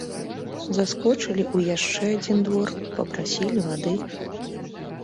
Заскочылі ў яшчэ адзін двор, папрасілі вады.